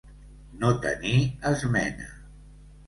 No tenir esmena.